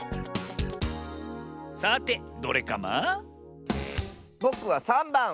さてどれカマ？ぼくは３ばん！